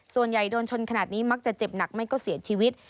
ส่วนใหญ่โดนชนขนาดนี้มักจะเจ็บหนักไม่ก็เสียชีวิต